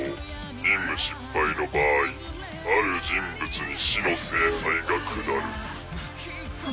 任務失敗の場合ある人物に死の制裁が下る。